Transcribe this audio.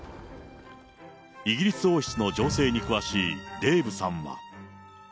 イギリス王室の情勢に詳しいデーブさんは。